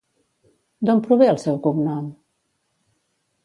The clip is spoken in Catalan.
D'on prové el seu cognom?